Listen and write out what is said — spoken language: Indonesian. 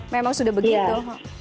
memang sudah begitu